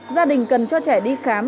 gia đình cần cho trẻ đi khám